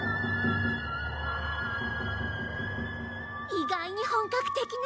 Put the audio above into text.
意外に本格的ね。